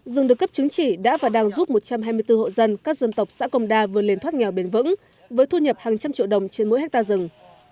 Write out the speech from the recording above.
rừng được cấp chứng chỉ đã và đang giúp một trăm hai mươi bốn hộ dân các dân tộc xã công đa vừa lên thoát nghèo bền vững với thu nhập hàng trăm triệu đồng trên mỗi hectare rừng